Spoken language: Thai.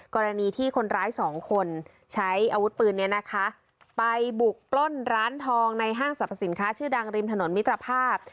กรณีที่คนร้ายสองคนใช้อาวุธปืนนี้นะคะไปบุกปล้นร้านทองในห้างสรรพสินค้าชื่อดังริมถนนมิตรภาพ